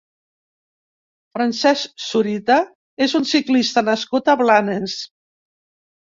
Francesc Zurita és un ciclista nascut a Blanes.